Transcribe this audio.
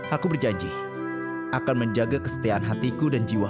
aku berjanji akan menjaga kestiaan hatiku dan jiwamu